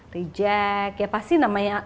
reject ya pasti namanya